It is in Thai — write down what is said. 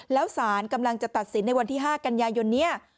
แล้วสารกำลังจะตัดสินในวันที่๕กันยายนนี้